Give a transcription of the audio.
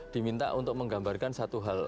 diminta untuk menggambarkan satu hal